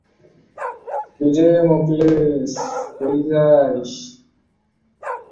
কিন্তু দূর্ভাগ্যজনকভাবে তৃতীয় বলে শূন্য রানে আউট হয়ে প্যাভিলিয়নে ফিরে আসতে বাধ্য হন।